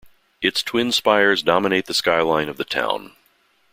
Its twin spires dominate the skyline of the town.